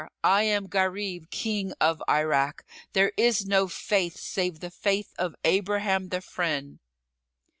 I am Gharib, King of Irak. There is no Faith save the Faith of Abraham the Friend!"